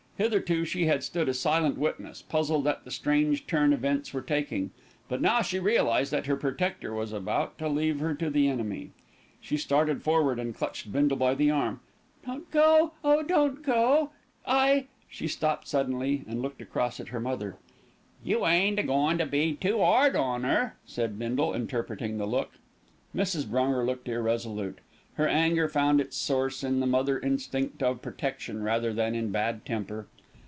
Hitherto she had stood a silent witness, puzzled at the strange turn events were taking; but now she realised that her protector was about to leave her to the enemy. She started forward, and clutched Bindle by the arm. "Don't go! oh, don't go! I " She stopped suddenly, and looked across at her mother. "You ain't a goin' to be too 'ard on 'er?" said Bindle, interpreting the look. Mrs. Brunger looked irresolute. Her anger found its source in the mother instinct of protection rather than in bad temper.